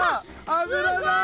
油だ！